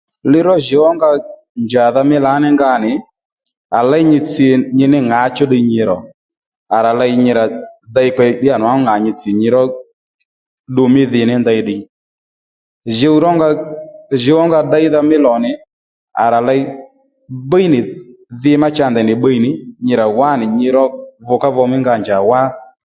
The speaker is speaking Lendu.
Li ró jùw ó nga njàdha mí lǎní nga nì à léy nyi tsi nyi ní ŋǎchú ddiy nyirò à rà ley nyi rà dey kpe ddíyà nwangú ŋà nyi tsì nyi ró ddu mí dhi ní ndèy ddiy djùw rónga ddéydha mí lò nì à rà ley bíy nì dhi ma cha ndèy nì bbiy nì nyi rà wá nì nyi ró vukavu mí nga njà wá